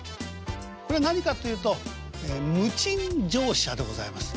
これは何かっていうと「無賃乗車」でございます。